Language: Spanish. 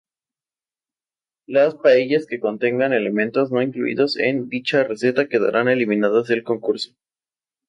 Las paellas que contengan elementos no incluidos en dicha receta quedan eliminadas del concurso.